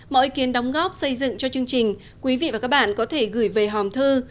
mọi ý kiến đóng góp xây dựng cho chương trình quý vị và các bạn có thể gửi về hòm thư